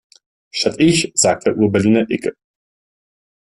Statt ich sagt der Urberliner icke.